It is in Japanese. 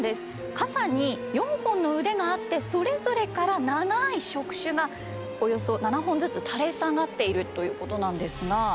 傘に４本の腕があってそれぞれから長い触手がおよそ７本ずつ垂れ下がっているということなんですが。